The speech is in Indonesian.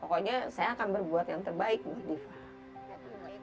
pokoknya saya akan berbuat yang terbaik maudifah